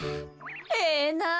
ええなあ！